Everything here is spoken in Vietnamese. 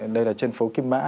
đây là trên phố kim mã